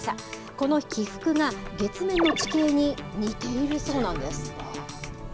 この起伏が月面の地形に似ているそうなんです。